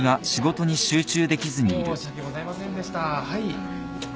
申し訳ございませんでしたはい。